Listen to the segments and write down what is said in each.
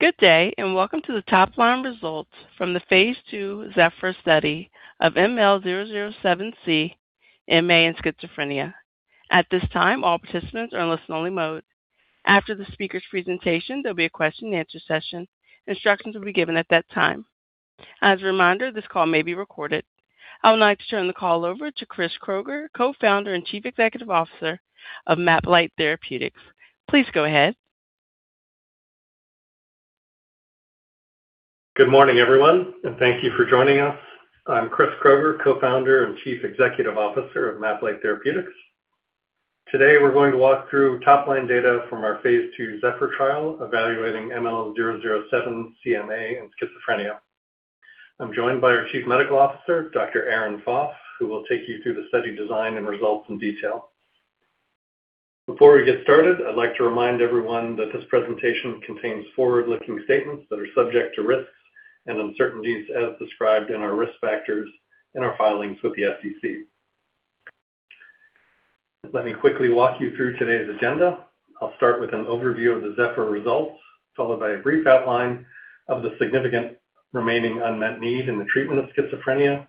Good day, and welcome to the top-line results from the phase II ZEPHYR study of ML-007C-MA in schizophrenia. At this time, all participants are in listen-only mode. After the speaker's presentation, there will be a question-and-answer session. Instructions will be given at that time. As a reminder, this call may be recorded. I would like to turn the call over to Chris Kroeger, Co-Founder and Chief Executive Officer of MapLight Therapeutics. Please go ahead. Good morning, everyone, and thank you for joining us. I am Chris Kroeger, Co-Founder and Chief Executive Officer of MapLight Therapeutics. Today, we are going to walk through top-line data from our phase II ZEPHYR trial evaluating ML-007C-MA in schizophrenia. I am joined by our Chief Medical Officer, Dr. Erin Foff, who will take you through the study design and results in detail. Before we get started, I would like to remind everyone that this presentation contains forward-looking statements that are subject to risks and uncertainties as described in our risk factors in our filings with the SEC. Let me quickly walk you through today's agenda. I will start with an overview of the ZEPHYR results, followed by a brief outline of the significant remaining unmet need in the treatment of schizophrenia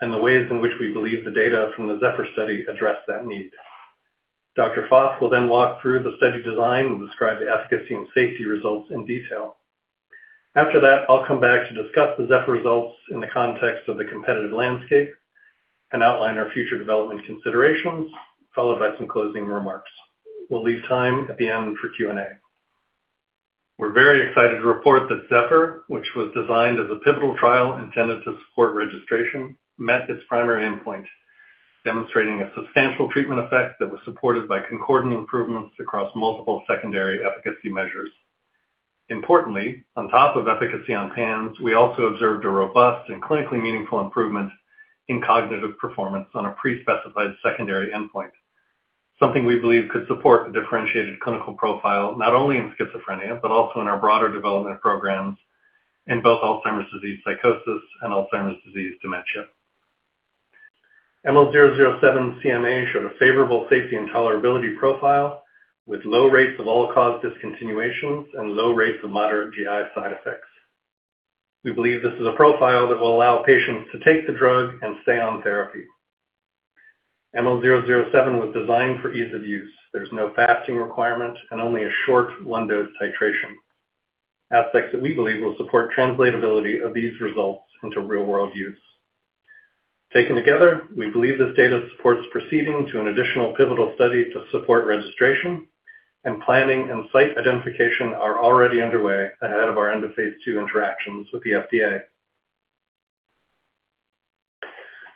and the ways in which we believe the data from the ZEPHYR study address that need. Dr. Foff will then walk through the study design and describe the efficacy and safety results in detail. After that, I will come back to discuss the ZEPHYR results in the context of the competitive landscape and outline our future development considerations, followed by some closing remarks. We will leave time at the end for Q&A. We are very excited to report that ZEPHYR, which was designed as a pivotal trial intended to support registration, met its primary endpoint, demonstrating a substantial treatment effect that was supported by concordant improvements across multiple secondary efficacy measures. Importantly, on top of efficacy on PANSS, we also observed a robust and clinically meaningful improvement in cognitive performance on a pre-specified secondary endpoint. Something we believe could support the differentiated clinical profile, not only in schizophrenia, but also in our broader development programs in both Alzheimer's disease psychosis and Alzheimer's disease dementia. ML-007C-MA showed a favorable safety and tolerability profile with low rates of all-cause discontinuations and low rates of moderate GI side effects. We believe this is a profile that will allow patients to take the drug and stay on therapy. ML-007 was designed for ease of use. There is no fasting requirement and only a short one-dose titration. Aspects that we believe will support translatability of these results into real-world use. Taken together, we believe this data supports proceeding to an additional pivotal study to support registration, and planning and site identification are already underway ahead of our end-of-phase II interactions with the FDA.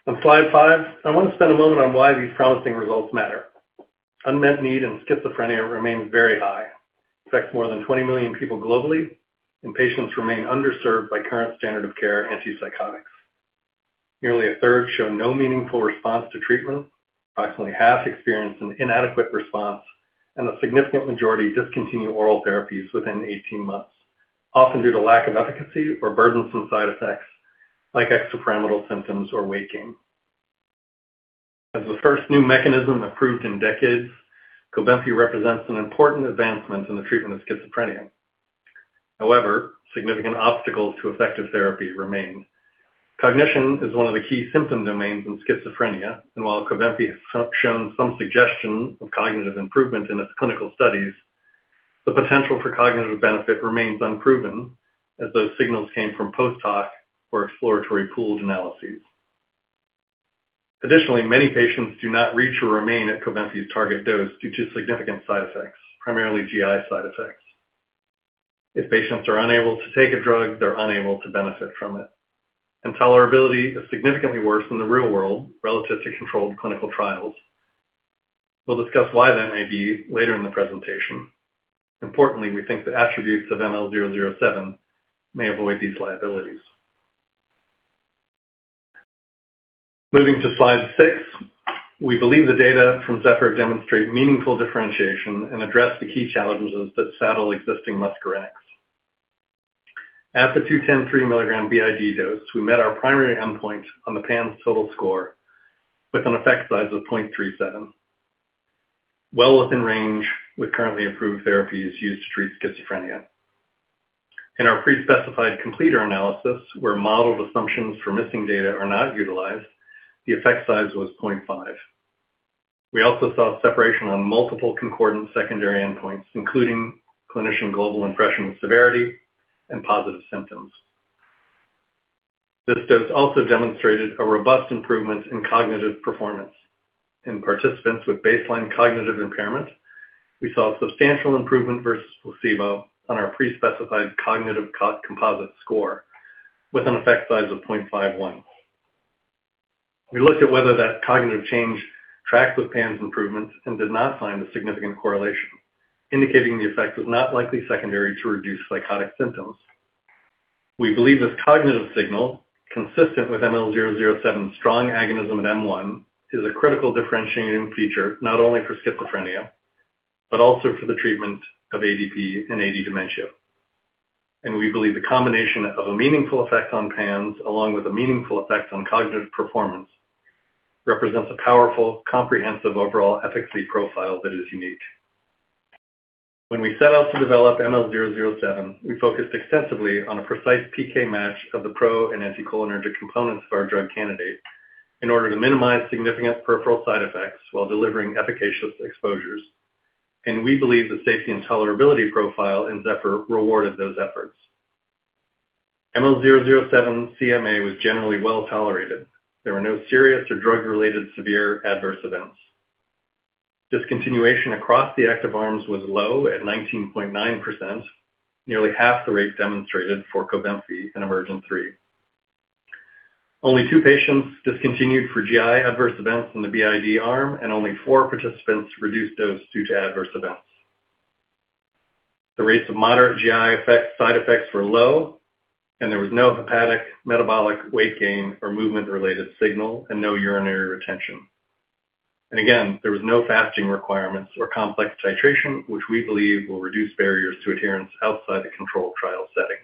On slide five, I want to spend a moment on why these promising results matter. Unmet need in schizophrenia remains very high. It affects more than 20 million people globally, and patients remain underserved by current standard of care antipsychotics. Nearly a third show no meaningful response to treatment, approximately half experience an inadequate response, and a significant majority discontinue oral therapies within 18 months, often due to lack of efficacy or burdensome side effects like extrapyramidal symptoms or weight gain. As the first new mechanism approved in decades, Cobenfy represents an important advancement in the treatment of schizophrenia. However, significant obstacles to effective therapy remain. Cognition is one of the key symptom domains in schizophrenia, and while Cobenfy has shown some suggestion of cognitive improvement in its clinical studies, the potential for cognitive benefit remains unproven as those signals came from post hoc or exploratory pooled analyses. Additionally, many patients do not reach or remain at Cobenfy's target dose due to significant side effects, primarily GI side effects. If patients are unable to take a drug, they're unable to benefit from it. Tolerability is significantly worse in the real world relative to controlled clinical trials. We'll discuss why that may be later in the presentation. Importantly, we think the attributes of ML-007 may avoid these liabilities. Moving to slide six, we believe the data from ZEPHYR demonstrate meaningful differentiation and address the key challenges that saddle existing muscarinics. At the 210/3 mg BID dose, we met our primary endpoint on the PANSS total score with an effect size of 0.37. Well within range with currently approved therapies used to treat schizophrenia. In our pre-specified completer analysis, where modeled assumptions for missing data are not utilized, the effect size was 0.5. We also saw separation on multiple concordant secondary endpoints, including Clinician Global Impression Severity and positive symptoms. This dose also demonstrated a robust improvement in cognitive performance. In participants with baseline cognitive impairment, we saw substantial improvement versus placebo on our pre-specified cognitive composite score with an effect size of 0.51. We looked at whether that cognitive change tracked with PANSS improvements and did not find a significant correlation, indicating the effect was not likely secondary to reduced psychotic symptoms. We believe this cognitive signal, consistent with ML-007's strong agonism at M1, is a critical differentiating feature, not only for schizophrenia, but also for the treatment of ADP and AD dementia. We believe the combination of a meaningful effect on PANSS, along with a meaningful effect on cognitive performance represents a powerful, comprehensive overall efficacy profile that is unique. When we set out to develop ML-007, we focused extensively on a precise PK match of the procholinergic and anticholinergic components of our drug candidate in order to minimize significant peripheral side effects while delivering efficacious exposures, and we believe the safety and tolerability profile in ZEPHYR rewarded those efforts. ML-007C-MA was generally well-tolerated. There were no serious or drug-related severe adverse events. Discontinuation across the active arms was low at 19.9%, nearly half the rate demonstrated for Cobenfy in EMERGENT-3. Only two patients discontinued for GI adverse events in the BID arm, and only four participants reduced dose due to adverse events. The rates of moderate GI side effects were low, and there was no hepatic, metabolic, weight gain, or movement-related signal, and no urinary retention. Again, there was no fasting requirements or complex titration, which we believe will reduce barriers to adherence outside the controlled trial setting.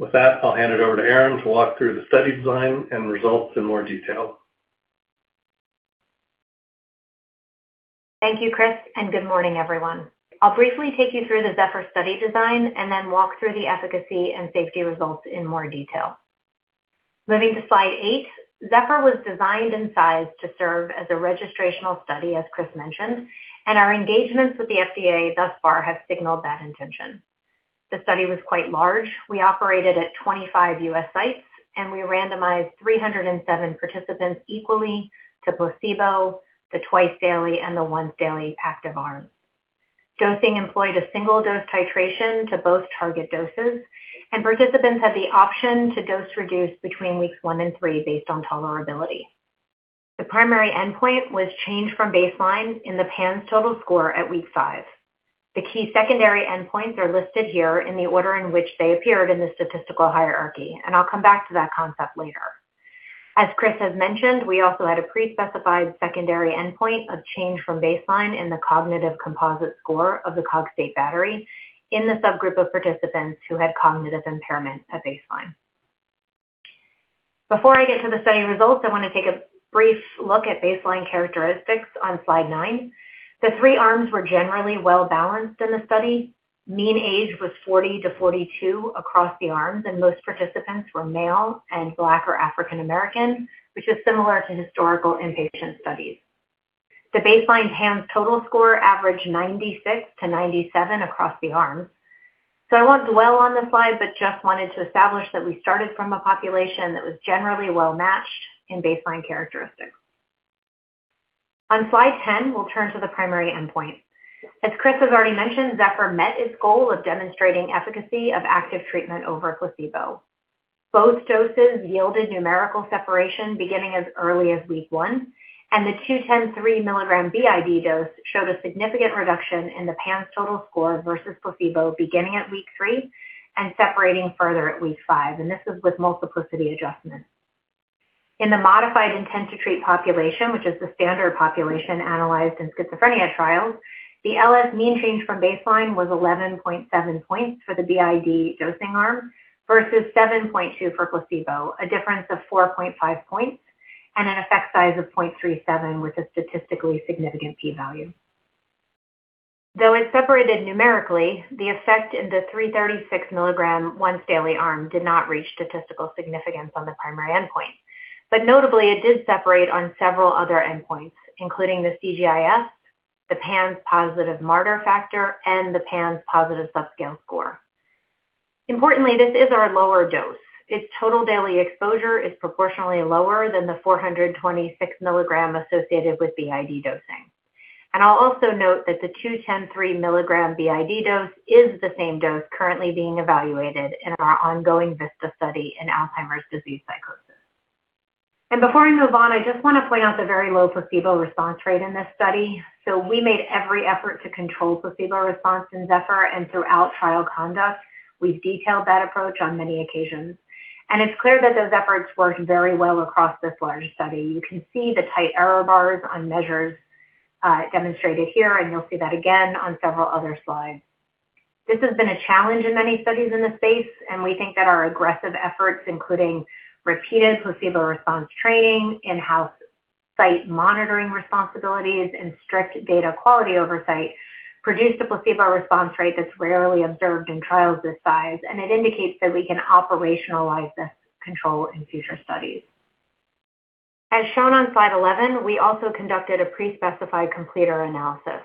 With that, I'll hand it over to Erin to walk through the study design and results in more detail. Thank you, Chris. Good morning, everyone. I'll briefly take you through the ZEPHYR study design, then walk through the efficacy and safety results in more detail. Moving to slide eight, ZEPHYR was designed and sized to serve as a registrational study, as Chris mentioned. Our engagements with the FDA thus far have signaled that intention. The study was quite large. We operated at 25 U.S. sites, and we randomized 307 participants equally to placebo, the twice daily, and the once daily active arm. Dosing employed a single-dose titration to both target doses, and participants had the option to dose reduce between weeks one and three based on tolerability. The primary endpoint was changed from baseline in the PANSS total score at week five. The key secondary endpoints are listed here in the order in which they appeared in the statistical hierarchy. I'll come back to that concept later. As Chris has mentioned, we also had a pre-specified secondary endpoint of change from baseline in the cognitive composite score of the Cogstate battery in the subgroup of participants who had cognitive impairment at baseline. Before I get to the study results, I want to take a brief look at baseline characteristics on slide nine. The three arms were generally well-balanced in the study. Mean age was 40-42 across the arms, and most participants were male and Black or African American, which is similar to historical inpatient studies. The baseline PANSS total score averaged 96-97 across the arms. I won't dwell on the slide, just wanted to establish that we started from a population that was generally well-matched in baseline characteristics. On slide 10, we'll turn to the primary endpoint. As Chris has already mentioned, ZEPHYR met its goal of demonstrating efficacy of active treatment over placebo. Both doses yielded numerical separation beginning as early as week one. The 210/3 mg BID dose showed a significant reduction in the PANSS total score versus placebo beginning at week three and separating further at week five. This is with multiplicity adjustment. In the modified intent-to-treat population, which is the standard population analyzed in schizophrenia trials, the LS-mean change from baseline was 11.7 points for the BID dosing arm versus 7.2 for placebo, a difference of 4.5 points and an effect size of 0.37 with a statistically significant p-value. Though it separated numerically, the effect in the 336 mg once daily arm did not reach statistical significance on the primary endpoint. Notably, it did separate on several other endpoints, including the CGI-S, the PANSS positive Marder factor, and the PANSS positive subscale score. Importantly, this is our lower dose. Its total daily exposure is proportionally lower than the 426 mg associated with BID dosing. I'll also note that the 210/3 mg BID dose is the same dose currently being evaluated in our ongoing VISTA study in Alzheimer's disease psychosis. Before I move on, I just want to point out the very low placebo response rate in this study. We made every effort to control placebo response in ZEPHYR and throughout trial conduct. We've detailed that approach on many occasions. It's clear that those efforts worked very well across this large study. You can see the tight error bars on measures demonstrated here, and you'll see that again on several other slides. This has been a challenge in many studies in the space, and we think that our aggressive efforts, including repeated placebo response training, in-house site monitoring responsibilities, and strict data quality oversight, produced a placebo response rate that's rarely observed in trials this size, and it indicates that we can operationalize this control in future studies. As shown on slide 11, we also conducted a pre-specified completer analysis.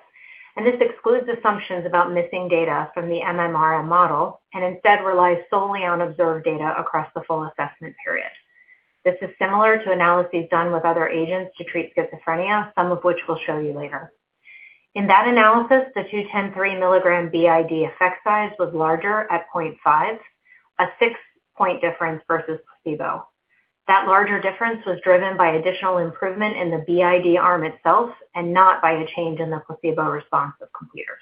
This excludes assumptions about missing data from the MMRM model and instead relies solely on observed data across the full assessment period. This is similar to analyses done with other agents to treat schizophrenia, some of which we'll show you later. In that analysis, the 210/3 mg BID effect size was larger at 0.5, a six point difference versus placebo. That larger difference was driven by additional improvement in the BID arm itself and not by a change in the placebo response of completers.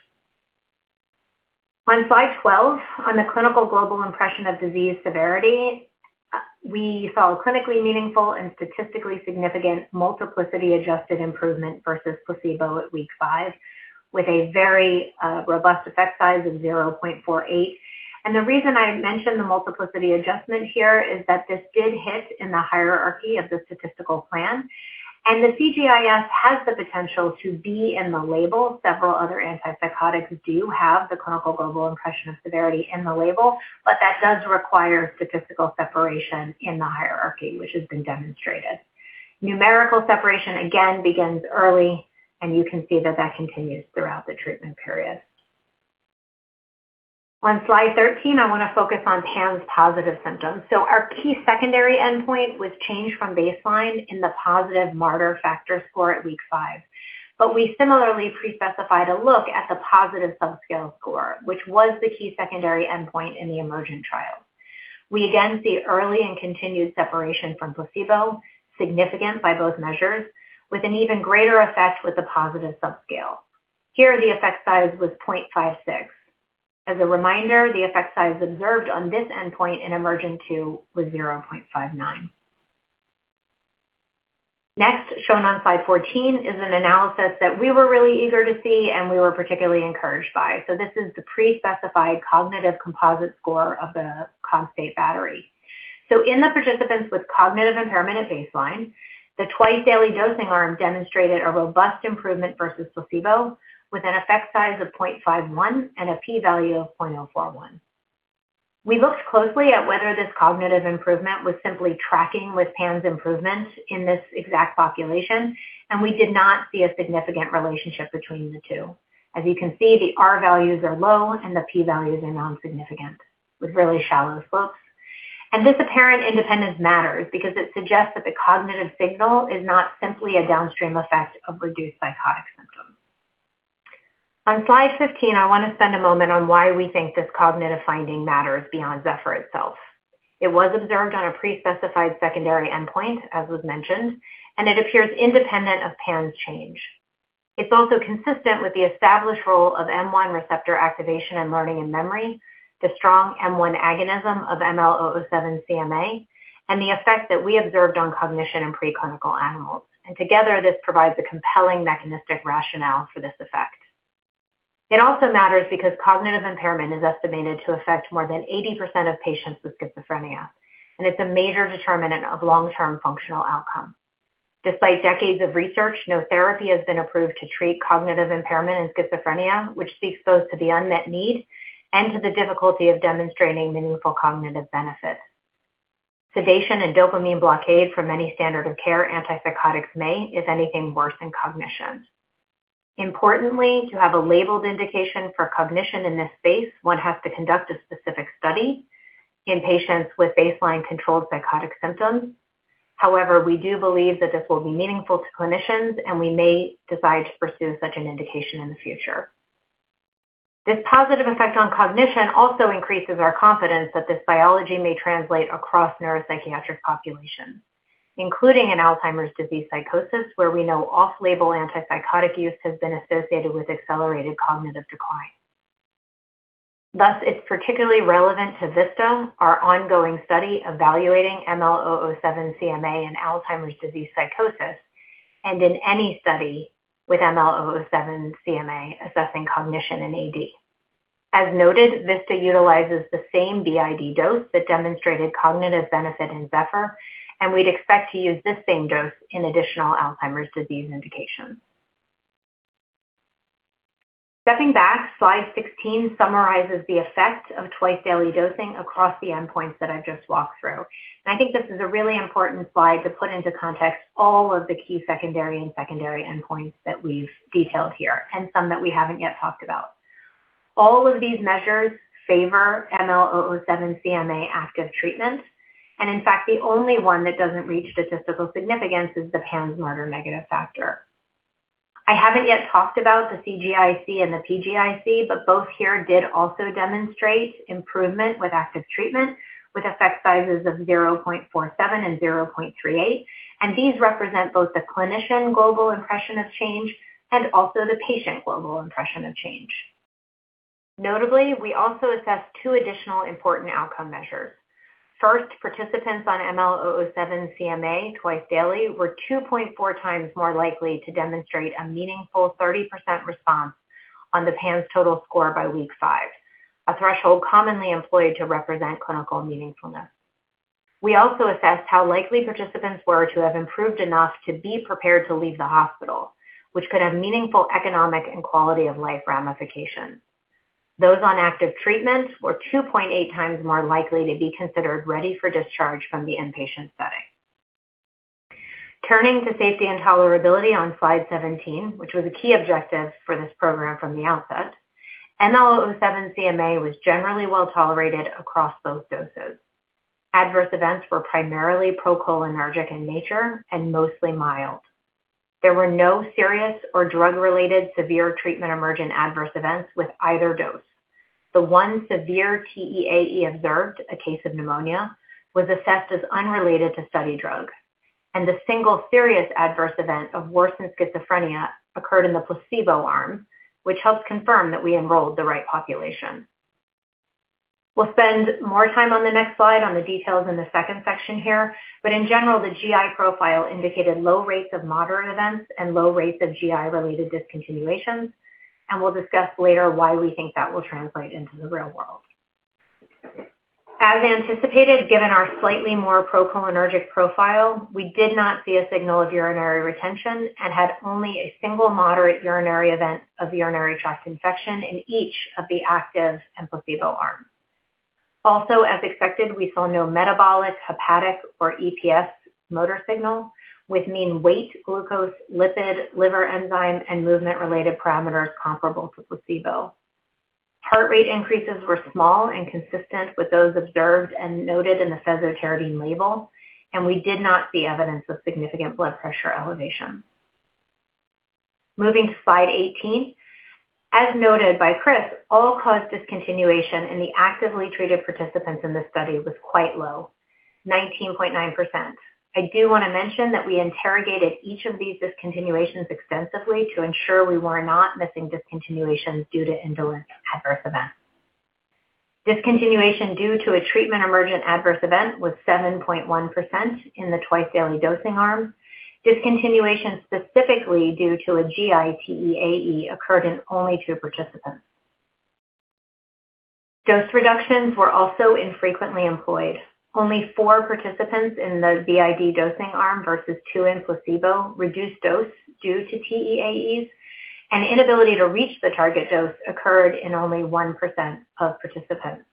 On slide 12, on the Clinical Global Impression of Disease Severity, we saw clinically meaningful and statistically significant multiplicity-adjusted improvement versus placebo at week five with a very robust effect size of 0.48. The reason I mention the multiplicity adjustment here is that this did hit in the hierarchy of the statistical plan, and the CGI-S has the potential to be in the label. Several other antipsychotics do have the Clinical Global Impression of Severity in the label, but that does require statistical separation in the hierarchy, which has been demonstrated. Numerical separation, again, begins early, and you can see that that continues throughout the treatment period. On slide 13, I want to focus on PANSS positive symptoms. Our key secondary endpoint was changed from baseline in the positive Marder factor score at week five. We similarly pre-specified a look at the positive subscale score, which was the key secondary endpoint in the EMERGENT trial. We again see early and continued separation from placebo, significant by both measures, with an even greater effect with the positive subscale. Here, the effect size was 0.56. As a reminder, the effect size observed on this endpoint in EMERGENT-2 was 0.59. Shown on slide 14, is an analysis that we were really eager to see and we were particularly encouraged by. This is the pre-specified cognitive composite score of the Cogstate battery. In the participants with cognitive impairment at baseline, the twice-daily dosing arm demonstrated a robust improvement versus placebo with an effect size of 0.51 and a p-value of 0.041. We looked closely at whether this cognitive improvement was simply tracking with PANSS improvement in this exact population, we did not see a significant relationship between the two. As you can see, the r-values are low and the p-values are non-significant with really shallow slopes. This apparent independence matters because it suggests that the cognitive signal is not simply a downstream effect of reduced psychotic symptoms. On slide 15, I want to spend a moment on why we think this cognitive finding matters beyond ZEPHYR itself. It was observed on a pre-specified secondary endpoint, as was mentioned, it appears independent of PANSS change. It's also consistent with the established role of M1 receptor activation in learning and memory, the strong M1 agonism of ML-007C-MA, and the effect that we observed on cognition in preclinical animals. Together, this provides a compelling mechanistic rationale for this effect. It also matters because cognitive impairment is estimated to affect more than 80% of patients with schizophrenia, it's a major determinant of long-term functional outcome. Despite decades of research, no therapy has been approved to treat cognitive impairment in schizophrenia, which speaks both to the unmet need and to the difficulty of demonstrating meaningful cognitive benefit. Sedation and dopamine blockade from many standard-of-care antipsychotics may, if anything, worsen cognition. Importantly, to have a labeled indication for cognition in this space, one has to conduct a specific study in patients with baseline controlled psychotic symptoms. However, we do believe that this will be meaningful to clinicians, we may decide to pursue such an indication in the future. This positive effect on cognition also increases our confidence that this biology may translate across neuropsychiatric populations, including in Alzheimer's disease psychosis, where we know off-label antipsychotic use has been associated with accelerated cognitive decline. Thus, it's particularly relevant to VISTA, our ongoing study evaluating ML-007C-MA in Alzheimer's disease psychosis, and in any study with ML-007C-MA assessing cognition in AD. As noted, VISTA utilizes the same BID dose that demonstrated cognitive benefit in ZEPHYR, we'd expect to use this same dose in additional Alzheimer's disease indications. Stepping back, slide 16 summarizes the effect of twice-daily dosing across the endpoints that I've just walked through. I think this is a really important slide to put into context all of the key secondary and secondary endpoints that we've detailed here, and some that we haven't yet talked about. All of these measures favor ML-007C-MA active treatment. In fact, the only one that doesn't reach statistical significance is the PANSS Marder negative factor. I haven't yet talked about the CGIC and the PGIC, but both here did also demonstrate improvement with active treatment with effect sizes of 0.47 and 0.38, these represent both the clinician global impression of change and also the patient global impression of change. Notably, we also assessed two additional important outcome measures. First, participants on ML-007C-MA twice daily were 2.4x more likely to demonstrate a meaningful 30% response on the PANSS total score by week five, a threshold commonly employed to represent clinical meaningfulness. We also assessed how likely participants were to have improved enough to be prepared to leave the hospital, which could have meaningful economic and quality of life ramifications. Those on active treatment were 2.8x more likely to be considered ready for discharge from the inpatient setting. Turning to safety and tolerability on slide 17, which was a key objective for this program from the outset, ML-007C-MA was generally well-tolerated across both doses. Adverse events were primarily procholinergic in nature and mostly mild. There were no serious or drug-related severe treatment-emergent adverse events with either dose. The one severe TEAE observed, a case of pneumonia, was assessed as unrelated to study drug. The single serious adverse event of worsened schizophrenia occurred in the placebo arm, which helps confirm that we enrolled the right population. We'll spend more time on the next slide on the details in the second section here. In general, the GI profile indicated low rates of moderate events and low rates of GI-related discontinuations. We'll discuss later why we think that will translate into the real world. As anticipated, given our slightly more procholinergic profile, we did not see a signal of urinary retention and had only a single moderate urinary event of urinary tract infection in each of the active and placebo arms. As expected, we saw no metabolic, hepatic, or EPS motor signal with mean weight, glucose, lipid, liver enzyme, and movement-related parameters comparable to placebo. Heart rate increases were small and consistent with those observed and noted in the fesoterodine label. We did not see evidence of significant blood pressure elevation. Moving to slide 18. As noted by Chris, all-cause discontinuation in the actively treated participants in this study was quite low, 19.9%. I do want to mention that we interrogated each of these discontinuations extensively to ensure we were not missing discontinuations due to indolent adverse events. Discontinuation due to a treatment EMERGENT adverse event was 7.1% in the twice-daily dosing arm. Discontinuation specifically due to a GI TEAE occurred in only two participants. Dose reductions were also infrequently employed. Only four participants in the BID dosing arm versus two in placebo reduced dose due to TEAEs, and inability to reach the target dose occurred in only 1% of participants.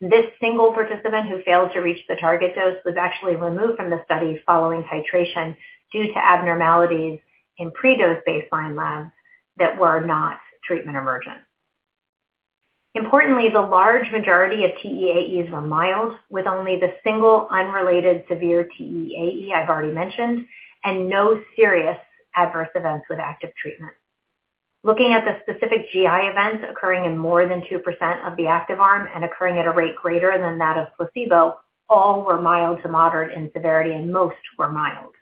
This single participant who failed to reach the target dose was actually removed from the study following titration due to abnormalities in pre-dose baseline labs that were not treatment emergent. The large majority of TEAEs were mild, with only the single unrelated severe TEAE I've already mentioned and no serious adverse events with active treatment. Looking at the specific GI events occurring in more than 2% of the active arm and occurring at a rate greater than that of placebo, all were mild to moderate in severity, and most were mild.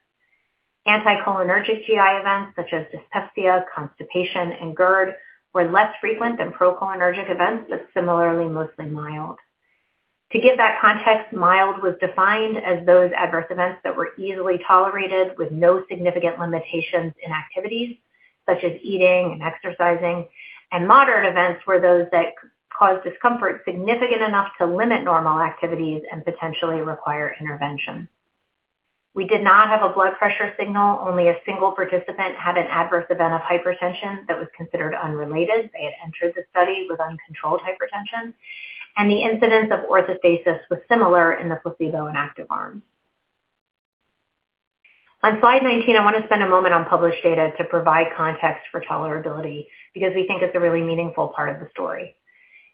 Anticholinergic GI events such as dyspepsia, constipation, and GERD were less frequent than procholinergic events, but similarly mostly mild. To give that context, mild was defined as those adverse events that were easily tolerated with no significant limitations in activities such as eating and exercising, and moderate events were those that caused discomfort significant enough to limit normal activities and potentially require intervention. We did not have a blood pressure signal. Only a single participant had an adverse event of hypertension that was considered unrelated. They had entered the study with uncontrolled hypertension, and the incidence of orthostasis was similar in the placebo and active arms. On slide 19, I want to spend a moment on published data to provide context for tolerability because we think it's a really meaningful part of the story.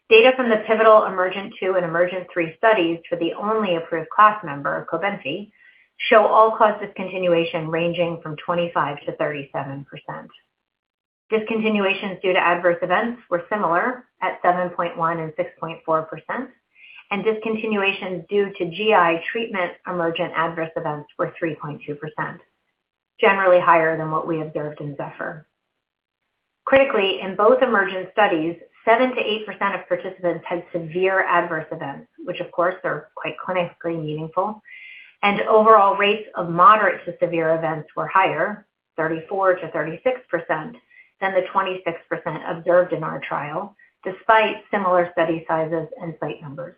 Data from the pivotal EMERGENT-2 and EMERGENT-3 studies for the only approved class member, Cobenfy, show all-cause discontinuation ranging from 25%-37%. Discontinuations due to adverse events were similar at 7.1% and 6.4%, and discontinuations due to GI treatment-EMERGENT adverse events were 3.2%, generally higher than what we observed in ZEPHYR. Critically, in both EMERGENT studies, 7%-8% of participants had severe adverse events, which of course are quite clinically meaningful, and overall rates of moderate to severe events were higher, 34%-36%, than the 26% observed in our trial, despite similar study sizes and site numbers.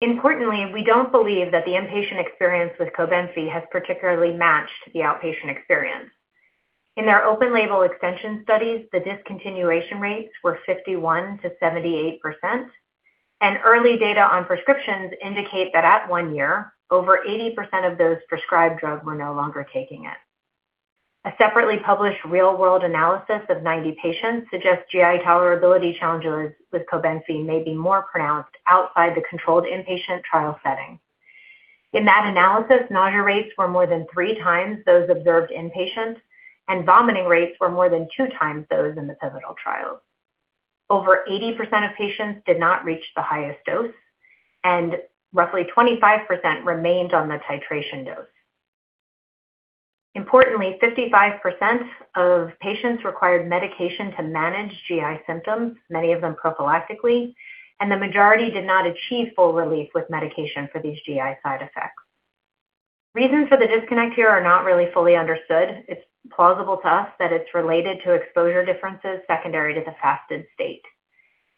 Importantly, we don't believe that the inpatient experience with Cobenfy has particularly matched the outpatient experience. In their open label extension studies, the discontinuation rates were 51%-78%, and early data on prescriptions indicate that at one year, over 80% of those prescribed drug were no longer taking it. A separately published real-world analysis of 90 patients suggests GI tolerability challenges with Cobenfy may be more pronounced outside the controlled inpatient trial setting. In that analysis, nausea rates were more than three times those observed in patients, and vomiting rates were more than two times those in the pivotal trials. Over 80% of patients did not reach the highest dose, and roughly 25% remained on the titration dose. Importantly, 55% of patients required medication to manage GI symptoms, many of them prophylactically, and the majority did not achieve full relief with medication for these GI side effects. Reasons for the disconnect here are not really fully understood. It's plausible to us that it's related to exposure differences secondary to the fasted state.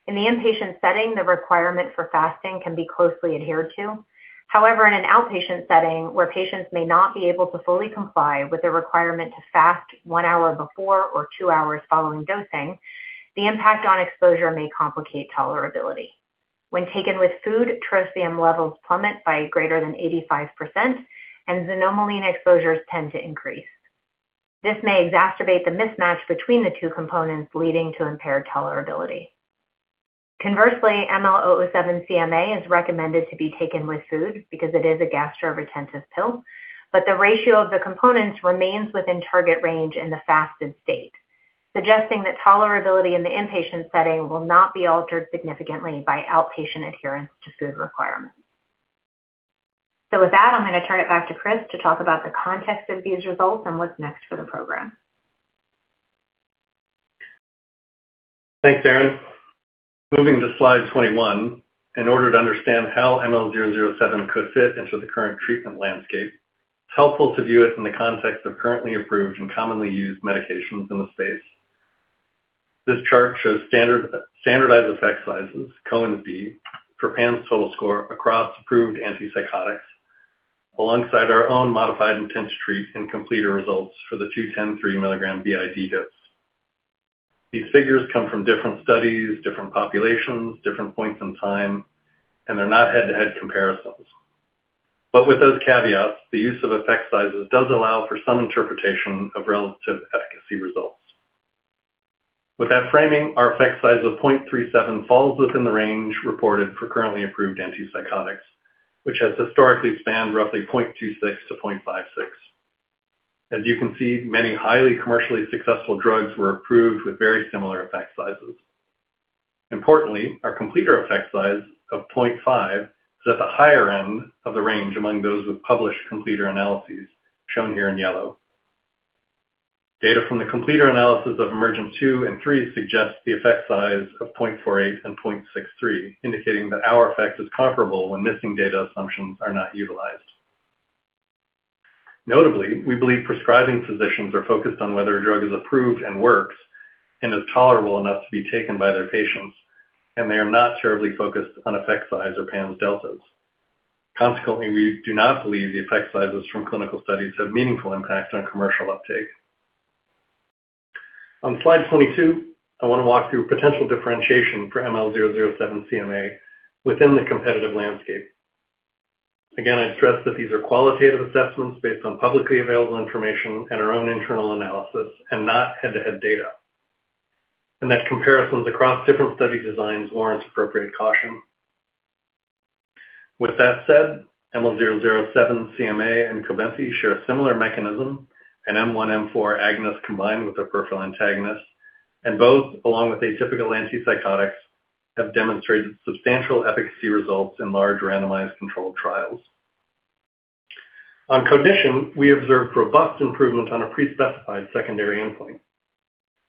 In the inpatient setting, the requirement for fasting can be closely adhered to. However, in an outpatient setting where patients may not be able to fully comply with the requirement to fast one hour before or two hours following dosing, the impact on exposure may complicate tolerability. When taken with food, trospium levels plummet by greater than 85%, and xanomeline exposures tend to increase. This may exacerbate the mismatch between the two components, leading to impaired tolerability. Conversely, ML-007C-MA is recommended to be taken with food because it is a gastroretentive pill. But the ratio of the components remains within target range in the fasted state, suggesting that tolerability in the inpatient setting will not be altered significantly by outpatient adherence to food requirements. With that, I'm going to turn it back to Chris to talk about the context of these results and what's next for the program. Thanks, Erin. Moving to slide 21, in order to understand how ML-007 could fit into the current treatment landscape, it's helpful to view it in the context of currently approved and commonly used medications in the space. This chart shows standardized effect sizes, Cohen's d, for PANSS total score across approved antipsychotics, alongside our own modified intent-to-treat and completer results for the 210/3 mg BID dose. These figures come from different studies, different populations, different points in time, and they're not head-to-head comparisons. But with those caveats, the use of effect sizes does allow for some interpretation of relative efficacy results. With that framing, our effect size of 0.37 falls within the range reported for currently approved antipsychotics, which has historically spanned roughly 0.26-0.56. As you can see, many highly commercially successful drugs were approved with very similar effect sizes. Importantly, our completer effect size of 0.5 is at the higher end of the range among those with published completer analyses, shown here in yellow. Data from the completer analysis of EMERGENT-2 and 3 suggests the effect size of 0.48 and 0.63, indicating that our effect is comparable when missing data assumptions are not utilized. Notably, we believe prescribing physicians are focused on whether a drug is approved and works and is tolerable enough to be taken by their patients, and they are not terribly focused on effect size or PANSS deltas. Consequently, we do not believe the effect sizes from clinical studies have meaningful impact on commercial uptake. On slide 22, I want to walk through potential differentiation for ML-007C-MA within the competitive landscape. Again, I stress that these are qualitative assessments based on publicly available information and our own internal analysis and not head-to-head data. And that comparisons across different study designs warrants appropriate caution. With that said, ML-007C-MA and Cobenfy share a similar mechanism, an M1/M4 agonist combined with a peripheral antagonist, and both, along with atypical antipsychotics, have demonstrated substantial efficacy results in large randomized controlled trials. On cognition, we observed robust improvement on a pre-specified secondary endpoint.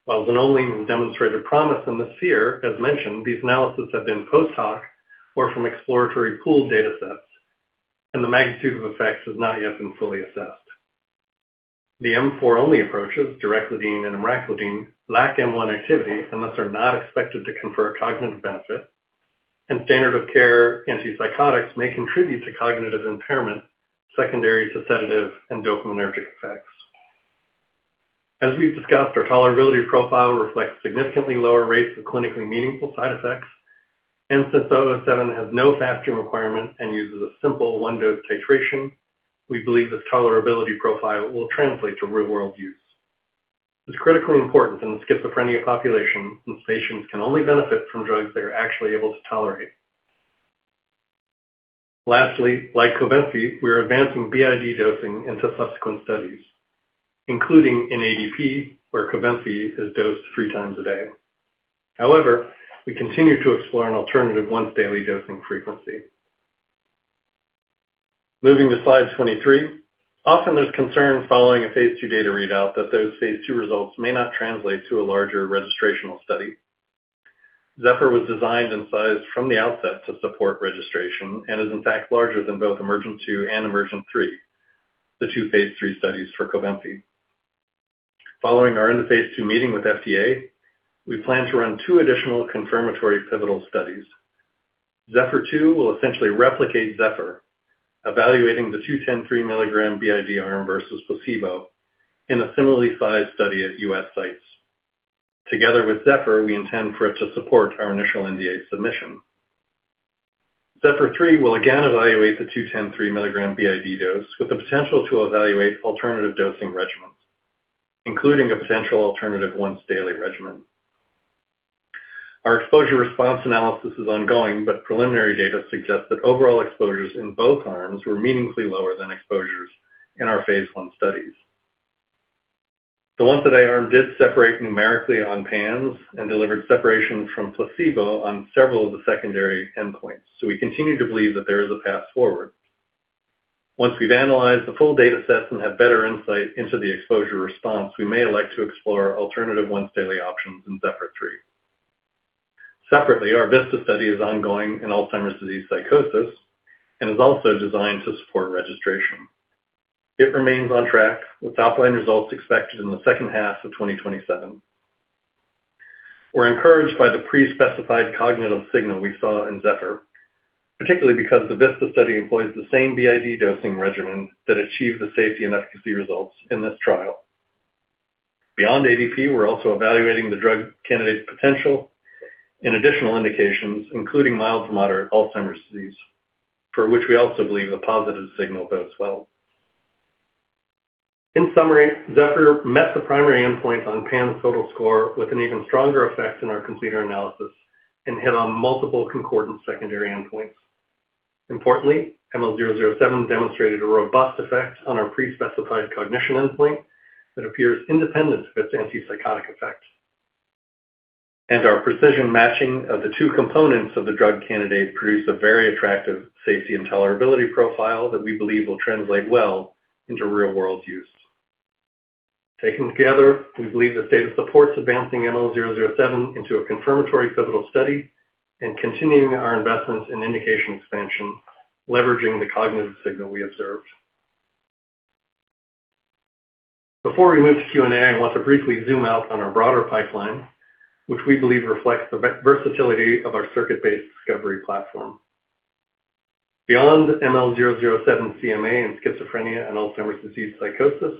While xanomeline demonstrated promise in the sphere, as mentioned, these analyses have been post-hoc or from exploratory pooled datasets, and the magnitude of effects has not yet been fully assessed. The M4-only approaches, direclidine and emraclidine, lack M1 activity and thus are not expected to confer a cognitive benefit, and standard of care antipsychotics may contribute to cognitive impairment secondary to sedative and dopaminergic effects. As we've discussed, our tolerability profile reflects significantly lower rates of clinically meaningful side effects. And since ML-007 has no fasting requirement and uses a simple one-dose titration, we believe this tolerability profile will translate to real-world use. It's critically important in the schizophrenia population since patients can only benefit from drugs they are actually able to tolerate. Lastly, like Cobenfy, we are advancing BID dosing into subsequent studies, including in ADP, where Cobenfy is dosed three times a day. However, we continue to explore an alternative once-daily dosing frequency. Moving to slide 23. Often there's concern following a phase II data readout that those phase II results may not translate to a larger registrational study. ZEPHYR was designed and sized from the outset to support registration and is in fact larger than both EMERGENT-2 and EMERGENT-3, the two phase III studies for Cobenfy. Following our end-of-phase II meeting with FDA, we plan to run two additional confirmatory pivotal studies. ZEPHYR-2 will essentially replicate ZEPHYR, evaluating the 210/3 mg BID arm versus placebo in a similarly sized study at U.S. sites. Together with ZEPHYR, we intend for it to support our initial NDA submission. ZEPHYR-3 will again evaluate the 210/3 mg BID dose with the potential to evaluate alternative dosing regimens, including a potential alternative once-daily regimen. Our exposure response analysis is ongoing, but preliminary data suggests that overall exposures in both arms were meaningfully lower than exposures in our phase I studies. The once-a-day arm did separate numerically on PANSS and delivered separation from placebo on several of the secondary endpoints, so we continue to believe that there is a path forward. Once we've analyzed the full data set and have better insight into the exposure response, we may elect to explore alternative once-daily options in ZEPHYR-3. Separately, our VISTA study is ongoing in Alzheimer's disease psychosis and is also designed to support registration. It remains on track with top-line results expected in the second half of 2027. We're encouraged by the pre-specified cognitive signal we saw in ZEPHYR, particularly because the VISTA study employs the same BID dosing regimen that achieved the safety and efficacy results in this trial. Beyond ADP, we're also evaluating the drug candidate's potential in additional indications, including mild to moderate Alzheimer's disease, for which we also believe a positive signal bodes well. In summary, ZEPHYR met the primary endpoint on PANSS total score with an even stronger effect in our completer analysis and hit on multiple concordant secondary endpoints. Importantly, ML-007 demonstrated a robust effect on our pre-specified cognition endpoint that appears independent of its antipsychotic effect. Our precision matching of the two components of the drug candidate produce a very attractive safety and tolerability profile that we believe will translate well into real-world use. Taken together, we believe this data supports advancing ML-007 into a confirmatory pivotal study and continuing our investments in indication expansion, leveraging the cognitive signal we observed. Before we move to Q&A, I want to briefly zoom out on our broader pipeline, which we believe reflects the versatility of our circuit-based discovery platform. Beyond ML-007C-MA in schizophrenia and Alzheimer's disease psychosis,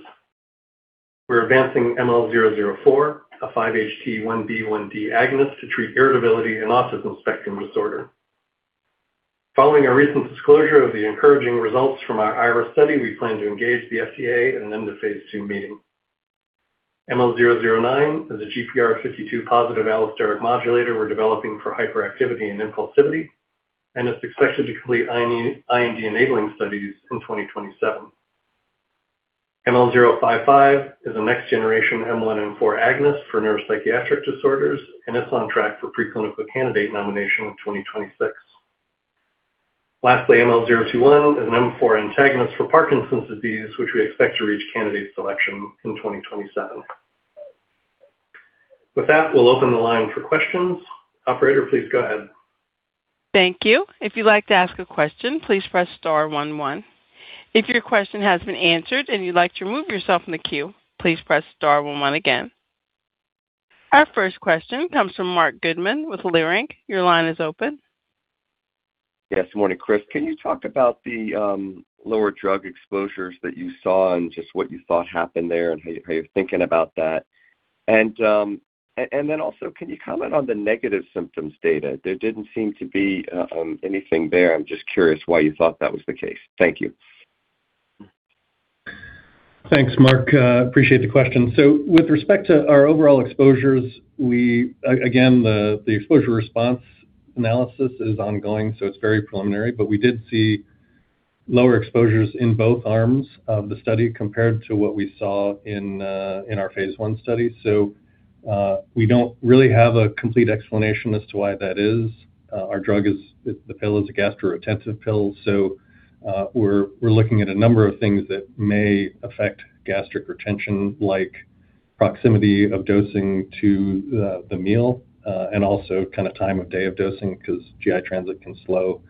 we're advancing ML-004, a 5-HT1B/1D agonist to treat irritability in autism spectrum disorder. Following our recent disclosure of the encouraging results from our IRIS study, we plan to engage the FDA in an end-of-phase II meeting. ML-009 is a GPR52 Positive Allosteric Modulator we're developing for hyperactivity and impulsivity, and is expected to complete IND-enabling studies in 2027. ML-055 is a next-generation M1/M4 agonist for neuropsychiatric disorders, and it's on track for preclinical candidate nomination in 2026. Lastly, ML-021 is an M4 antagonist for Parkinson's disease, which we expect to reach candidate selection in 2027. With that, we'll open the line for questions. Operator, please go ahead. Thank you. If you'd like to ask a question, please press star one one. If your question has been answered and you'd like to remove yourself from the queue, please press star one one again. Our first question comes from Marc Goodman with Leerink. Your line is open. Yes, good morning, Chris. Can you talk about the lower drug exposures that you saw and just what you thought happened there and how you're thinking about that? Then also, can you comment on the negative symptoms data? There didn't seem to be anything there. I'm just curious why you thought that was the case. Thank you. Thanks, Marc. Appreciate the question. With respect to our overall exposures, again, the exposure response analysis is ongoing, so it's very preliminary. We did see lower exposures in both arms of the study compared to what we saw in our phase I study. We don't really have a complete explanation as to why that is. Our drug is, the pill is a gastroretentive pill, so we're looking at a number of things that may affect gastric retention, like proximity of dosing to the meal, and also time of day of dosing, because GI transit can slow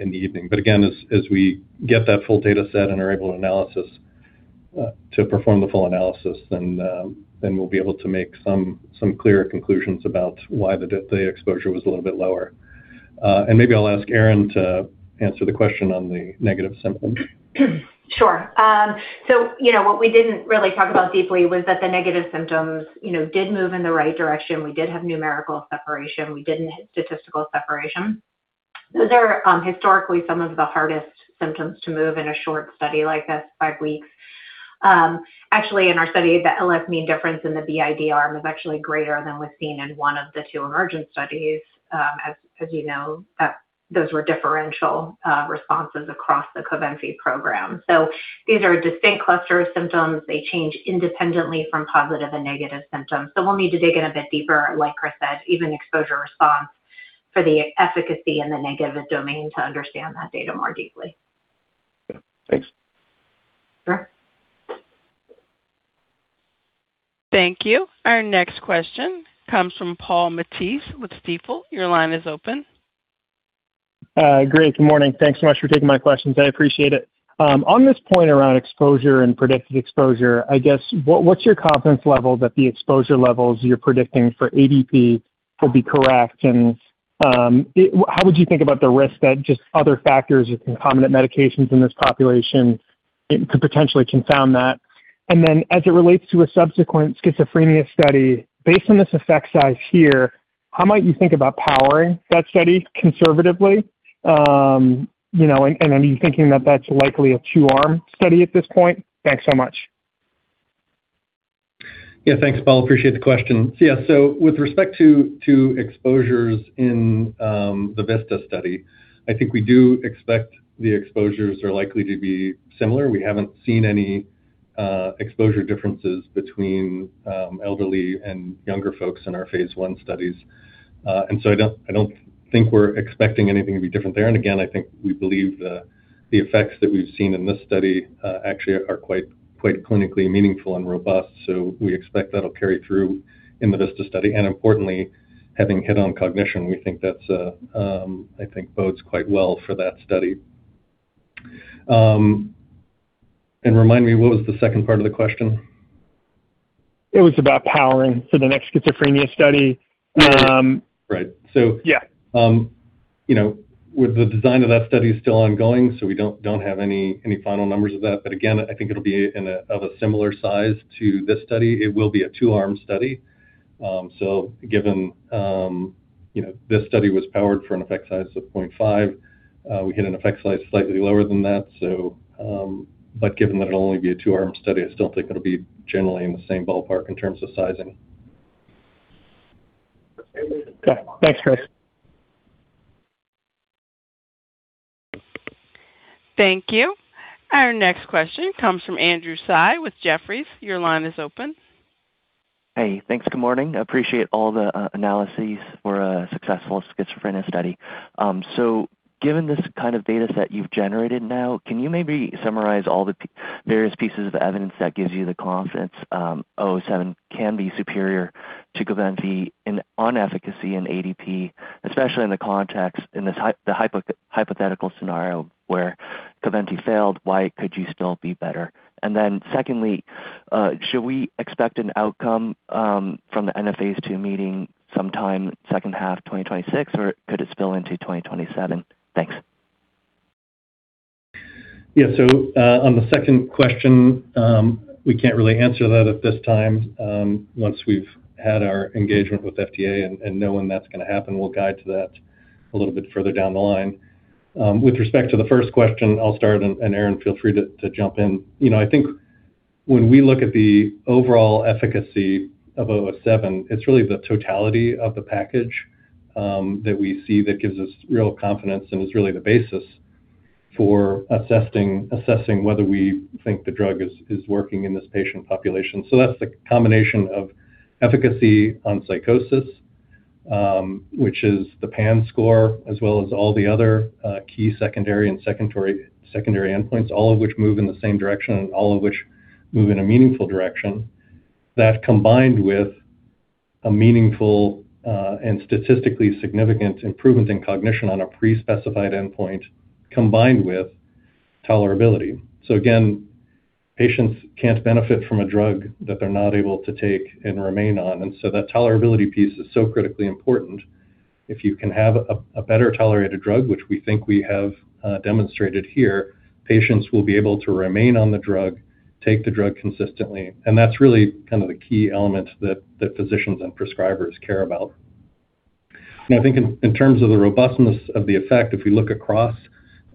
in the evening. Again, as we get that full data set and are able to perform the full analysis, then we'll be able to make some clearer conclusions about why the exposure was a little bit lower. Maybe I'll ask Erin to answer the question on the negative symptoms. Sure. What we didn't really talk about deeply was that the negative symptoms did move in the right direction. We did have numerical separation. We didn't hit statistical separation. Those are historically some of the hardest symptoms to move in a short study like this, five weeks. Actually, in our study, the LS mean difference in the BID arm was actually greater than was seen in one of the two EMERGENT studies. As you know, those were differential responses across the Cobenfy program. These are distinct cluster symptoms. They change independently from positive and negative symptoms. We'll need to dig in a bit deeper, like Chris said, even exposure response for the efficacy in the negative domain to understand that data more deeply. Yeah. Thanks. Sure. Thank you. Our next question comes from Paul Matteis with Stifel. Your line is open. Great. Good morning. Thanks so much for taking my questions. I appreciate it. On this point around exposure and predicted exposure, I guess, what's your confidence level that the exposure levels you're predicting for ADP will be correct? How would you think about the risk that just other factors or concomitant medications in this population could potentially confound that? Then as it relates to a subsequent schizophrenia study, based on this effect size here, how might you think about powering that study conservatively? Are you thinking that that's likely a two-arm study at this point? Thanks so much. Yeah. Thanks, Paul. Appreciate the question. Yeah. With respect to exposures in the VISTA study, I think we do expect the exposures are likely to be similar. We haven't seen any exposure differences between elderly and younger folks in our phase I studies. I don't think we're expecting anything to be different there. Again, I think we believe the effects that we've seen in this study actually are quite clinically meaningful and robust. We expect that'll carry through in the VISTA study, and importantly, having hit on cognition, we think that bodes quite well for that study. Remind me, what was the second part of the question? It was about powering for the next schizophrenia study. Right. The design of that study is still ongoing, we don't have any final numbers of that. Again, I think it'll be of a similar size to this study. It will be a two-arm study. Given this study was powered for an effect size of 0.5, we hit an effect size slightly lower than that. Given that it'll only be a two-arm study, I still think it'll be generally in the same ballpark in terms of sizing. Okay. Thanks, Chris. Thank you. Our next question comes from Andrew Tsai with Jefferies. Your line is open. Thanks. Good morning. Appreciate all the analyses for a successful schizophrenia study. Given this kind of data set you've generated now, can you maybe summarize all the various pieces of evidence that gives you the confidence 007 can be superior to Cobenfy on efficacy in ADP, especially in the context in the hypothetical scenario where Cobenfy failed, why could you still be better? Secondly, should we expect an outcome from the end-of-phase II meeting sometime second half 2026, or could it spill into 2027? Thanks. Yeah. On the second question, we can't really answer that at this time. Once we've had our engagement with FDA and know when that's going to happen, we'll guide to that a little bit further down the line. With respect to the first question, I'll start, and Erin, feel free to jump in. I think when we look at the overall efficacy of 007, it's really the totality of the package that we see that gives us real confidence and is really the basis for assessing whether we think the drug is working in this patient population. That's the combination of efficacy on psychosis, which is the PANSS score, as well as all the other key secondary and secondary endpoints, all of which move in the same direction and all of which move in a meaningful direction. That combined with a meaningful and statistically significant improvement in cognition on a pre-specified endpoint, combined with tolerability. Patients can't benefit from a drug that they're not able to take and remain on. That tolerability piece is so critically important. If you can have a better-tolerated drug, which we think we have demonstrated here, patients will be able to remain on the drug, take the drug consistently, and that's really kind of the key element that physicians and prescribers care about. I think in terms of the robustness of the effect, if we look across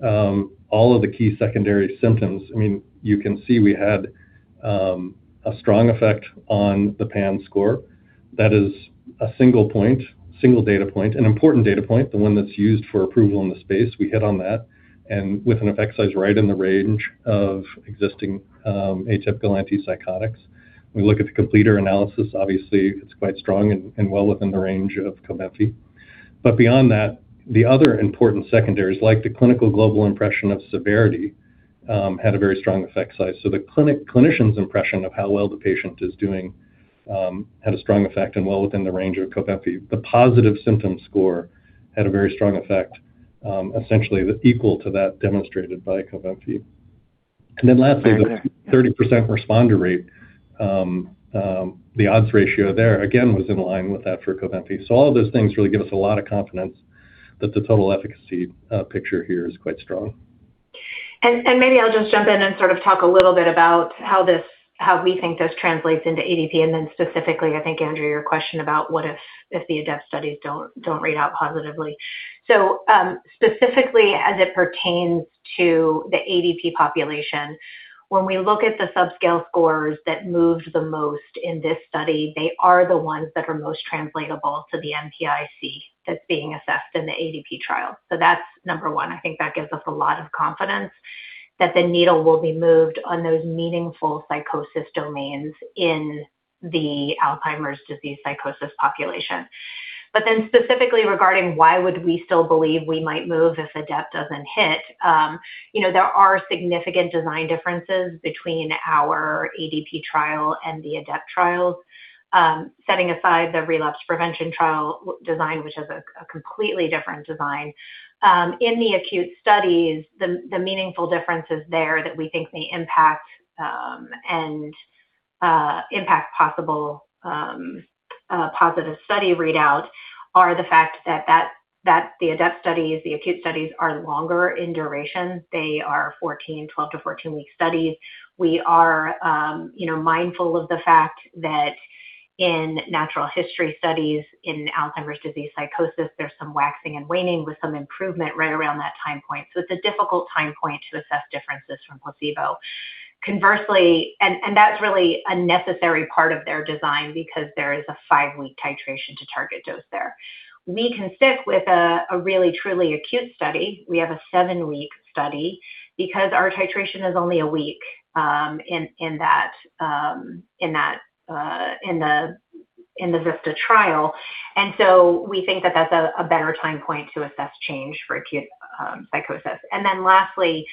all of the key secondary symptoms, you can see we had a strong effect on the PANSS score. That is a single data point, an important data point, the one that's used for approval in the space. We hit on that, with an effect size right in the range of existing atypical antipsychotics. We look at the completer analysis, obviously, it's quite strong and well within the range of Cobenfy. Beyond that, the other important secondaries, like the Clinical Global Impression of Severity, had a very strong effect size. The clinician's impression of how well the patient is doing had a strong effect and well within the range of Cobenfy. The positive symptom score had a very strong effect, essentially equal to that demonstrated by Cobenfy. Lastly, the 30% responder rate. The odds ratio there, again, was in line with that for Cobenfy. All of those things really give us a lot of confidence that the total efficacy picture here is quite strong. Maybe I'll just jump in and sort of talk a little bit about how we think this translates into ADP and then specifically, I think, Andrew, your question about what if the ADEPT studies don't read out positively. Specifically as it pertains to the ADP population, when we look at the subscale scores that moved the most in this study, they are the ones that are most translatable to the NPI-C that's being assessed in the ADP trial. That's number one. I think that gives us a lot of confidence that the needle will be moved on those meaningful psychosis domains in the Alzheimer's disease psychosis population. Specifically regarding why would we still believe we might move if ADEPT doesn't hit, there are significant design differences between our ADP trial and the ADEPT trials. Setting aside the relapse prevention trial design, which is a completely different design. In the acute studies, the meaningful differences there that we think may impact possible positive study readout are the fact that the ADEPT studies, the acute studies, are longer in duration. They are 12-14-week studies. We are mindful of the fact that in natural history studies in Alzheimer's disease psychosis, there's some waxing and waning with some improvement right around that time point. It's a difficult time point to assess differences from placebo. Conversely, that's really a necessary part of their design because there is a five-week titration to target dose there. We can stick with a really, truly acute study. We have a seven-week study because our titration is only a week in the VISTA trial. We think that that's a better time point to assess change for acute psychosis. Lastly,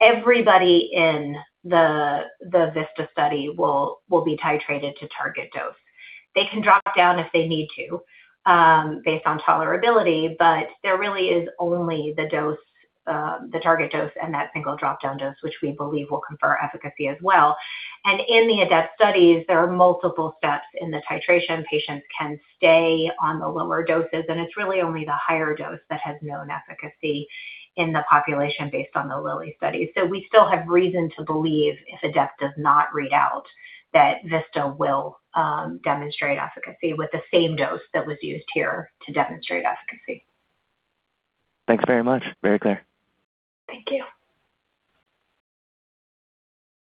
everybody in the VISTA study will be titrated to target dose. They can drop down if they need to based on tolerability, but there really is only the target dose and that single drop-down dose, which we believe will confer efficacy as well. In the ADEPT studies, there are multiple steps in the titration. Patients can stay on the lower doses, and it's really only the higher dose that has known efficacy in the population based on the Lilly study. We still have reason to believe if ADEPT does not read out, that VISTA will demonstrate efficacy with the same dose that was used here to demonstrate efficacy. Thanks very much. Very clear. Thank you.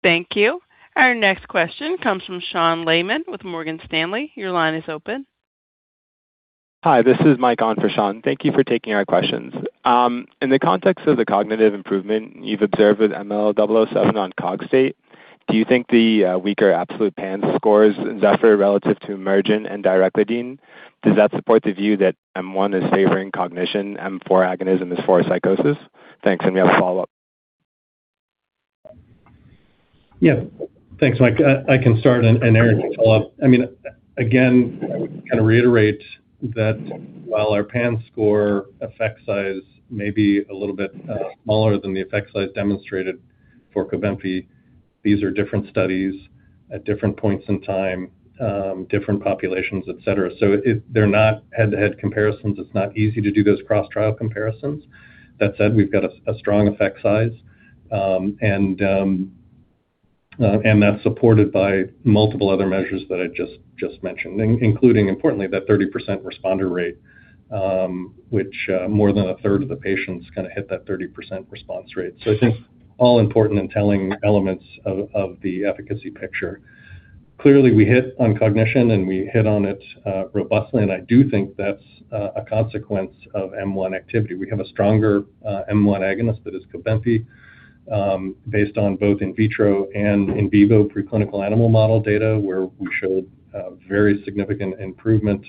Thank you. Our next question comes from Sean Laaman with Morgan Stanley. Your line is open. Hi, this is Mike on for Sean. Thank you for taking our questions. In the context of the cognitive improvement you've observed with ML-007 on Cogstate, do you think the weaker absolute PANSS scores in ZEPHYR relative to EMERGENT and direclidine, does that support the view that M1 is favoring cognition, M4 agonism is for psychosis? Thanks. We have a follow-up. Yeah. Thanks, Mike. I can start, Erin can follow up. I would reiterate that while our PANSS score effect size may be a little bit smaller than the effect size demonstrated for Cobenfy, these are different studies at different points in time, different populations, et cetera. They're not head-to-head comparisons. It's not easy to do those cross-trial comparisons. That said, we've got a strong effect size, and that's supported by multiple other measures that I just mentioned, including, importantly, that 30% responder rate, which more than a third of the patients hit that 30% response rate. I think all important in telling elements of the efficacy picture. Clearly we hit on cognition, and we hit on it robustly, and I do think that's a consequence of M1 activity. We have a stronger M1 agonist that is Cobenfy, based on both in vitro and in vivo preclinical animal model data where we showed very significant improvement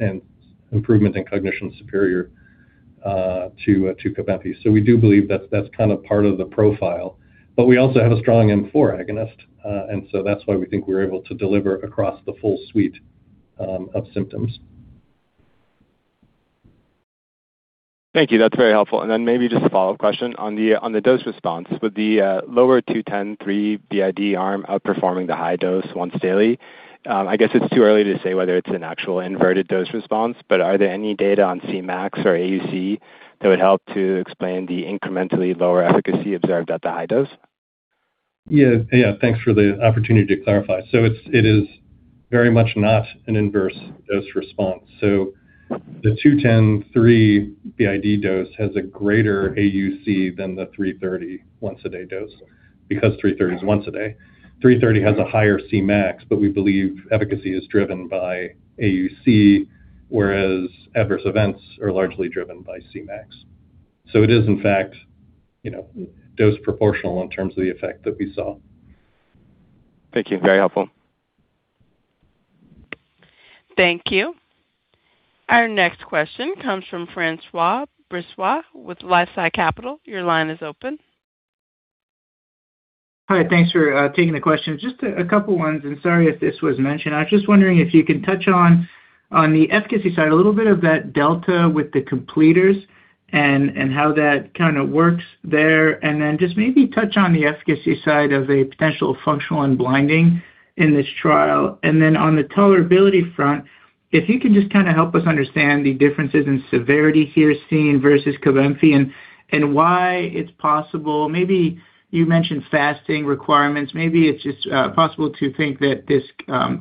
in cognition superior to Cobenfy. We do believe that's part of the profile. We also have a strong M4 agonist. That's why we think we're able to deliver across the full suite of symptoms. Thank you. That's very helpful. Maybe just a follow-up question on the dose response. With the lower 210/3 mg BID arm outperforming the high dose once daily, I guess it's too early to say whether it's an actual inverted dose response, are there any data on Cmax or AUC that would help to explain the incrementally lower efficacy observed at the high dose? Thanks for the opportunity to clarify. It is very much not an inverse dose response. The 210/3 mg BID dose has a greater AUC than the 330 once-a-day dose because 330 is once a day. 330 has a higher Cmax, we believe efficacy is driven by AUC, whereas adverse events are largely driven by Cmax. It is, in fact, dose proportional in terms of the effect that we saw. Thank you. Very helpful. Thank you. Our next question comes from François Brisebois with LifeSci Capital. Your line is open. Hi. Thanks for taking the question. Just a couple ones. Sorry if this was mentioned. I was just wondering if you can touch on the efficacy side, a little bit of that delta with the completers and how that kind of works there. Then just maybe touch on the efficacy side of a potential functional unblinding in this trial. Then on the tolerability front, if you can just kind of help us understand the differences in severity here seen versus Cobenfy and why it's possible. You mentioned fasting requirements. Maybe it's just possible to think that this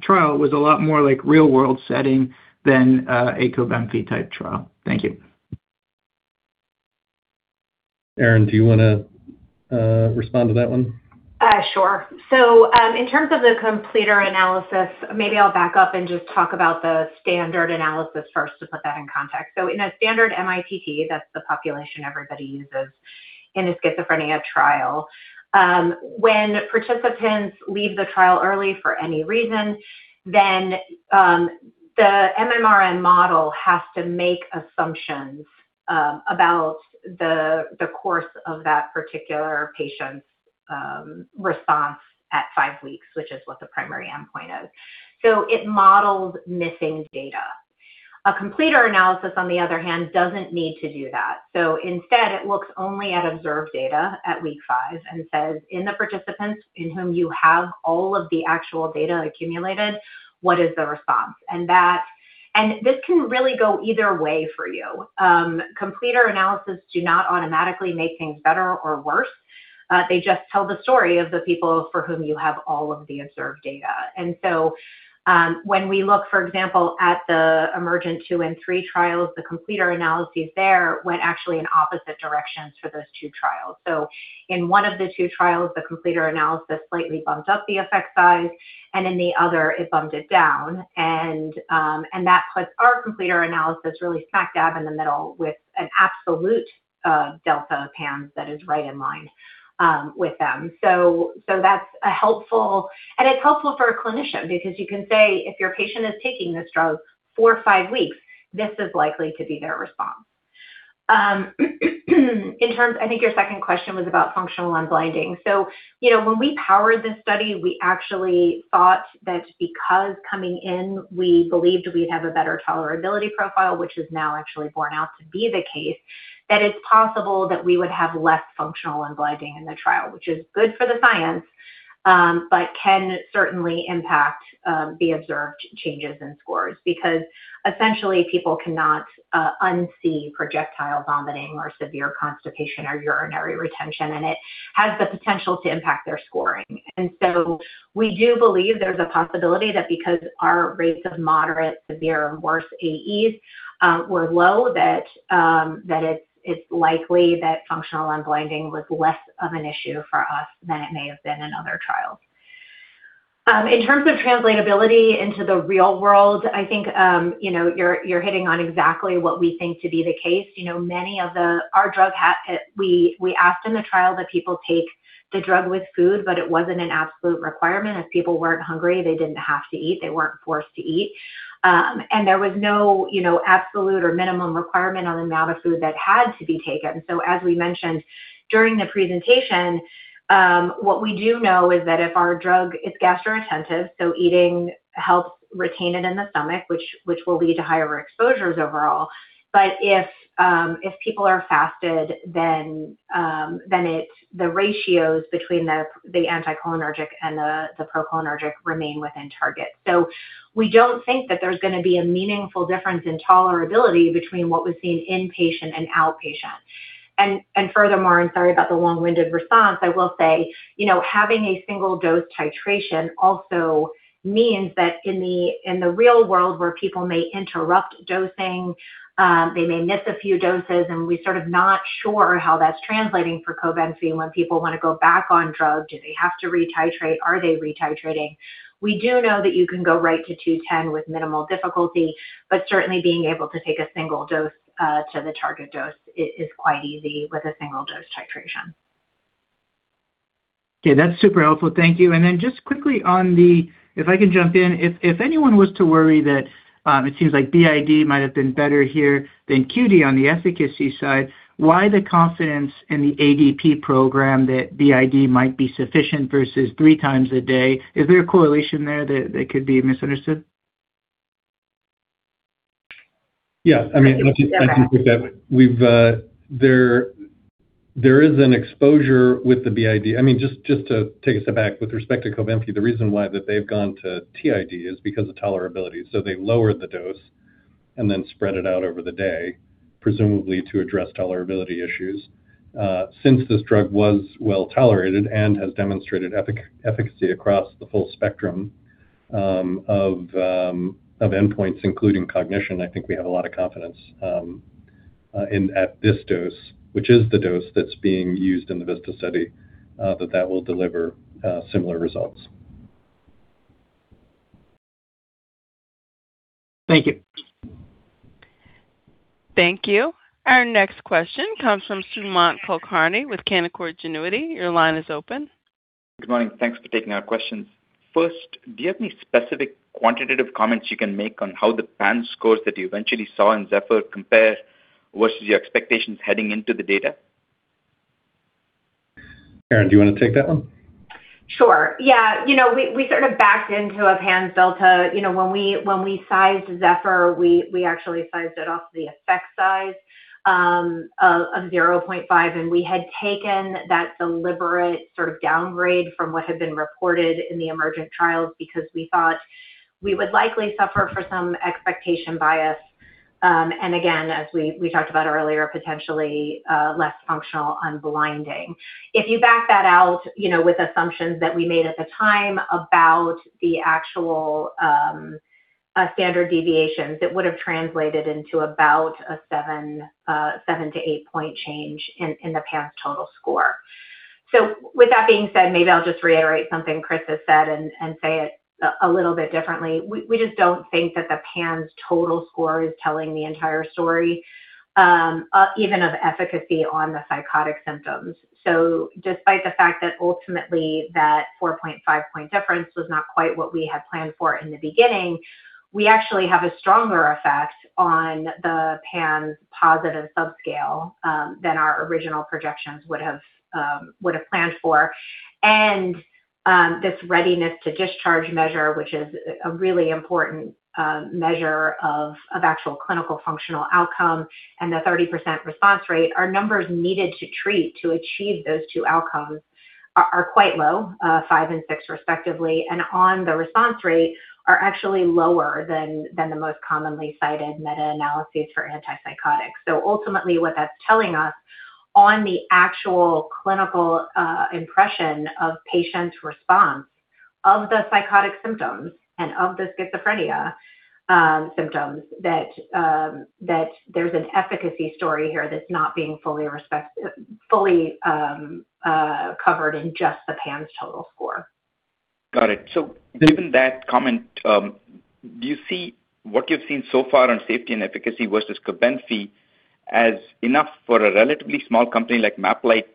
trial was a lot more like real-world setting than a Cobenfy type trial. Thank you. Erin, do you want to respond to that one? Sure. In terms of the completer analysis, maybe I'll back up and just talk about the standard analysis first to put that in context. In a standard mITT, that's the population everybody uses in a schizophrenia trial. When participants leave the trial early for any reason, then the MMRM model has to make assumptions about the course of that particular patient's response at five weeks, which is what the primary endpoint is. It models missing data. A completer analysis, on the other hand, doesn't need to do that. Instead, it looks only at observed data at week five and says, in the participants in whom you have all of the actual data accumulated, what is the response? This can really go either way for you. Completer analysis do not automatically make things better or worse. They just tell the story of the people for whom you have all of the observed data. When we look, for example, at the EMERGENT-2 and 3 trials, the completer analyses there went actually in opposite directions for those two trials. In one of the two trials, the completer analysis slightly bumped up the effect size, and in the other, it bumped it down. That puts our completer analysis really smack dab in the middle with an absolute delta PANSS that is right in line with them. That's helpful, and it's helpful for a clinician because you can say, if your patient is taking this drug four or five weeks, this is likely to be their response. I think your second question was about functional unblinding. When we powered this study, we actually thought that because coming in, we believed we'd have a better tolerability profile, which is now actually borne out to be the case, that it's possible that we would have less functional unblinding in the trial, which is good for the science, but can certainly impact the observed changes in scores. Essentially, people cannot unsee projectile vomiting or severe constipation or urinary retention, and it has the potential to impact their scoring. We do believe there's a possibility that because our rates of moderate, severe, and worse AEs were low, that it's likely that functional unblinding was less of an issue for us than it may have been in other trials. In terms of translatability into the real world, I think you're hitting on exactly what we think to be the case. We asked in the trial that people take the drug with food, but it wasn't an absolute requirement. If people weren't hungry, they didn't have to eat. They weren't forced to eat. There was no absolute or minimum requirement on the amount of food that had to be taken. As we mentioned during the presentation, what we do know is that if our drug is gastroretentive, eating helps retain it in the stomach, which will lead to higher exposures overall. If people are fasted, then the ratios between the anticholinergic and the procholinergic remain within target. We don't think that there's going to be a meaningful difference in tolerability between what was seen inpatient and outpatient. Furthermore, I'm sorry about the long-winded response, I will say, having a single-dose titration also means that in the real world where people may interrupt dosing, they may miss a few doses, and we're sort of not sure how that's translating for Cobenfy when people want to go back on drug. Do they have to re-titrate? Are they re-titrating? We do know that you can go right to 210 with minimal difficulty, but certainly being able to take a single dose to the target dose is quite easy with a single dose titration. Okay. That's super helpful. Thank you. Then just quickly on the, if I can jump in, if anyone was to worry that it seems like BID might have been better here than QD on the efficacy side, why the confidence in the ADEPT program that BID might be sufficient versus three times a day? Is there a correlation there that could be misunderstood? Yes. I mean, I can take that. There is an exposure with the BID. I mean, just to take a step back with respect to Cobenfy, the reason why that they've gone to TID is because of tolerability. They lowered the dose then spread it out over the day, presumably to address tolerability issues. Since this drug was well-tolerated and has demonstrated efficacy across the full spectrum of endpoints, including cognition, I think we have a lot of confidence at this dose, which is the dose that's being used in the VISTA study, that that will deliver similar results. Thank you. Thank you. Our next question comes from Sumant Kulkarni with Canaccord Genuity. Your line is open. Good morning. Thanks for taking our questions. First, do you have any specific quantitative comments you can make on how the PANSS scores that you eventually saw in ZEPHYR compare versus your expectations heading into the data? Erin, do you want to take that one? Sure. Yeah. We sort of backed into a PANSS delta. When we sized ZEPHYR, we actually sized it off the effect size of 0.5, and we had taken that deliberate sort of downgrade from what had been reported in the EMERGENT trials because we thought we would likely suffer for some expectation bias. Again, as we talked about earlier, potentially less functional unblinding. If you back that out with assumptions that we made at the time about the actual standard deviations, it would have translated into about a seven to eight-point change in the PANSS total score. With that being said, maybe I'll just reiterate something Chris has said and say it a little bit differently. We just don't think that the PANSS total score is telling the entire story, even of efficacy on the psychotic symptoms. Despite the fact that ultimately that 4.5 point difference was not quite what we had planned for in the beginning, we actually have a stronger effect on the PANSS positive subscale than our original projections would have planned for. This readiness to discharge measure, which is a really important measure of actual clinical functional outcome, and the 30% response rate, our numbers needed to treat to achieve those two outcomes are quite low, five and six respectively. On the response rate, are actually lower than the most commonly cited meta-analyses for antipsychotics. Ultimately, what that's telling us on the actual clinical impression of patient response of the psychotic symptoms and of the schizophrenia symptoms, that there's an efficacy story here that's not being fully covered in just the PANSS total score. Given that comment, do you see what you've seen so far on safety and efficacy versus Cobenfy as enough for a relatively small company like MapLight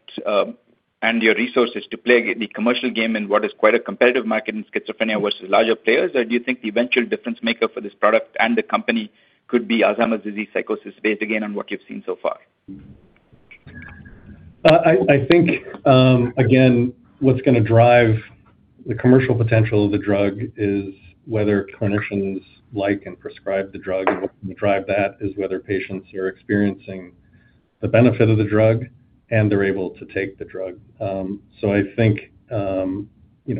and your resources to play the commercial game in what is quite a competitive market in schizophrenia versus larger players? Or do you think the eventual difference maker for this product and the company could be Alzheimer's disease psychosis based again on what you've seen so far? I think, again, what's going to drive the commercial potential of the drug is whether clinicians like and prescribe the drug, what's going to drive that is whether patients are experiencing the benefit of the drug and they're able to take the drug.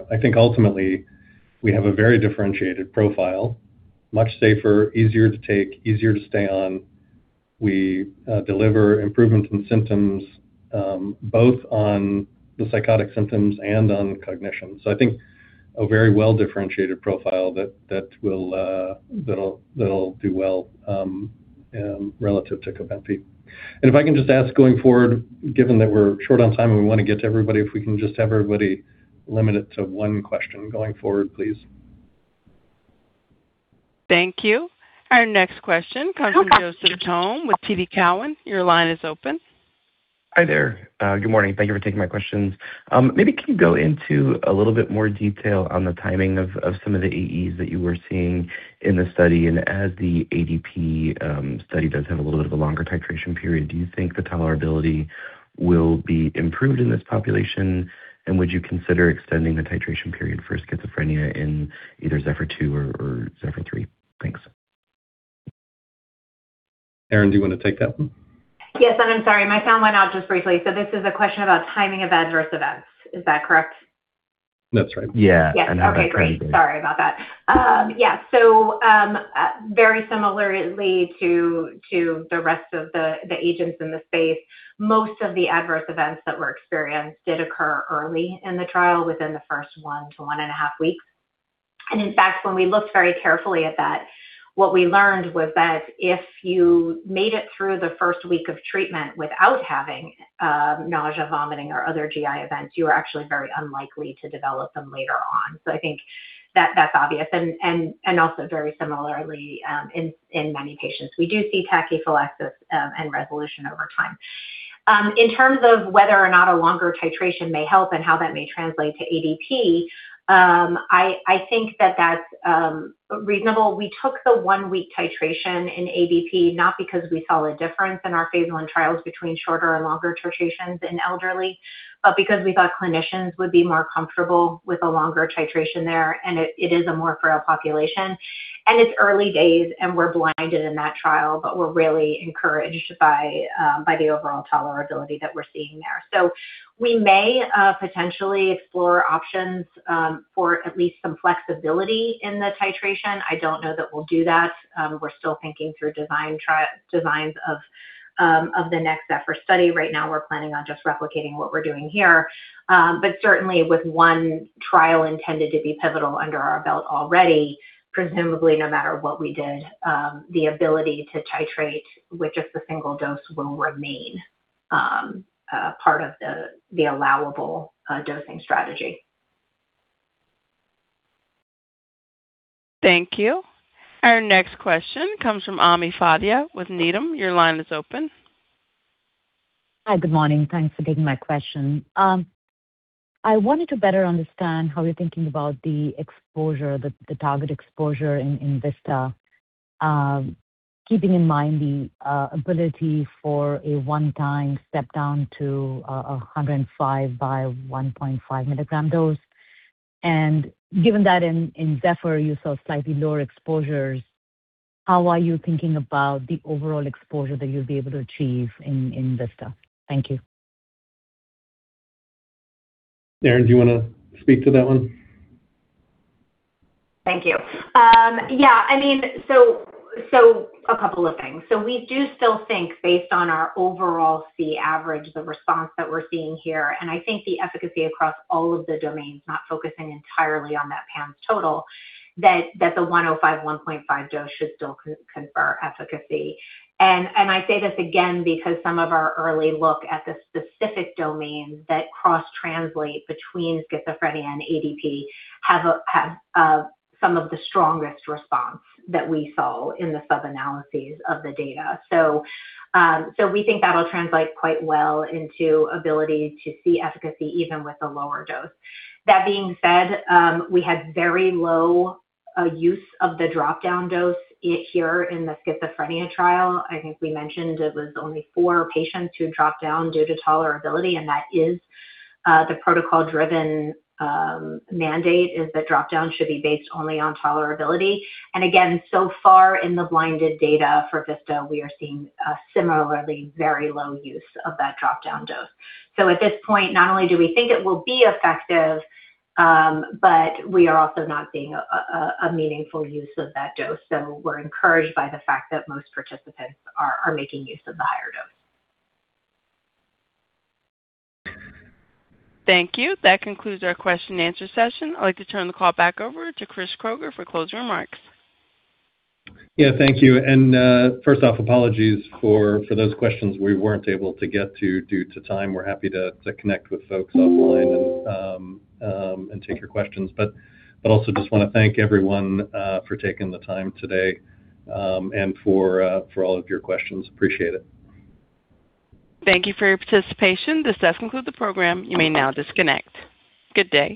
I think ultimately we have a very differentiated profile, much safer, easier to take, easier to stay on. We deliver improvement in symptoms, both on the psychotic symptoms and on cognition. I think a very well-differentiated profile that'll do well relative to Cobenfy. If I can just ask going forward, given that we're short on time and we want to get to everybody, if we can just have everybody limit it to one question going forward, please. Thank you. Our next question comes from Joseph Thome with TD Cowen. Your line is open. Hi there. Good morning. Thank you for taking my questions. Maybe can you go into a little bit more detail on the timing of some of the AEs that you were seeing in the study? As the ADP study does have a little bit of a longer titration period, do you think the tolerability will be improved in this population? Would you consider extending the titration period for schizophrenia in either ZEPHYR-2 or ZEPHYR-3? Thanks. Erin, do you want to take that one? Yes, I'm sorry, my sound went out just briefly. This is a question about timing of adverse events. Is that correct? That's right. Yeah. Okay, great. Sorry about that. Very similarly to the rest of the agents in the space, most of the adverse events that were experienced did occur early in the trial within the first one to one and a half weeks. In fact, when we looked very carefully at that, what we learned was that if you made it through the first week of treatment without having nausea, vomiting, or other GI events, you are actually very unlikely to develop them later on. I think that's obvious and also very similarly, in many patients, we do see tachyphylaxis and resolution over time. In terms of whether or not a longer titration may help and how that may translate to ADP, I think that that's reasonable. We took the one-week titration in ADP not because we saw a difference in our phase I trials between shorter and longer titrations in elderly, but because we thought clinicians would be more comfortable with a longer titration there. It is a more frail population, and it's early days, and we're blinded in that trial, but we're really encouraged by the overall tolerability that we're seeing there. We may potentially explore options for at least some flexibility in the titration. I don't know that we'll do that. We're still thinking through designs of the next ZEPHYR study. Right now, we're planning on just replicating what we're doing here. Certainly with one trial intended to be pivotal under our belt already, presumably no matter what we did, the ability to titrate with just a single dose will remain part of the allowable dosing strategy. Thank you. Our next question comes from Ami Fadia with Needham. Your line is open. Hi. Good morning. Thanks for taking my question. I wanted to better understand how you're thinking about the target exposure in VISTA, keeping in mind the ability for a one-time step down to 105 by 1.5 mg dose. Given that in ZEPHYR you saw slightly lower exposures, how are you thinking about the overall exposure that you'll be able to achieve in VISTA? Thank you. Erin, do you want to speak to that one? Thank you. A couple of things. We do still think, based on our overall C average, the response that we're seeing here, and I think the efficacy across all of the domains, not focusing entirely on that PANSS total, that the 105, 1.5 mg dose should still confer efficacy. I say this again because some of our early look at the specific domains that cross-translate between schizophrenia and ADP have some of the strongest response that we saw in the sub-analyses of the data. We think that'll translate quite well into ability to see efficacy even with a lower dose. That being said, we had very low use of the drop-down dose here in the schizophrenia trial. I think we mentioned it was only four patients who dropped down due to tolerability, and that is the protocol-driven mandate is that drop-down should be based only on tolerability. Again, so far in the blinded data for VISTA, we are seeing a similarly very low use of that drop-down dose. At this point, not only do we think it will be effective, but we are also not seeing a meaningful use of that dose. We're encouraged by the fact that most participants are making use of the higher dose. Thank you. That concludes our question-and-answer session. I'd like to turn the call back over to Chris Kroeger for closing remarks. Thank you. First off, apologies for those questions we weren't able to get to due to time. We're happy to connect with folks online and take your questions. Also just want to thank everyone for taking the time today, and for all of your questions. Appreciate it. Thank you for your participation. This does conclude the program. You may now disconnect. Good day.